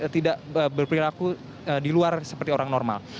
tidak berperilaku di luar seperti orang normal